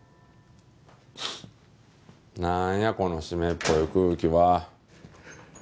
なんやこの湿っぽい空気は。